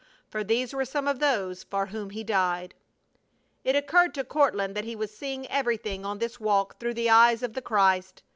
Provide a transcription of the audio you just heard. For these were some of those for whom He died! It occurred to Courtland that he was seeing everything on this walk through the eyes of the Christ.